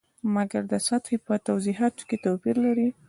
مګر د سطحې په توضیحاتو کې توپیر لري.